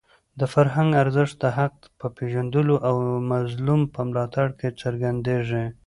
د فرهنګ ارزښت د حق په پېژندلو او د مظلوم په ملاتړ کې څرګندېږي.